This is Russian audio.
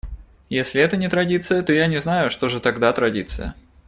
Если это не традиция, то я не знаю, что же тогда традиция.